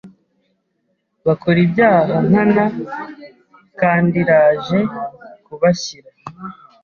bakora ibyaha nkana kandiiraje kubashyira